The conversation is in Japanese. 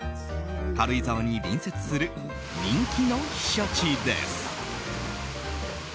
軽井沢に隣接する人気の避暑地です。